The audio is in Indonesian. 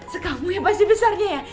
sekamu yang pasti besarnya ya